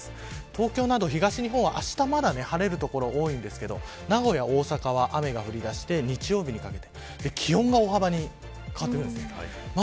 東京など東日本はあしたまだ晴れる所が多いですが名古屋、大阪は雨が降りだして、日曜日にかけて気温が大幅に変わってくるんです。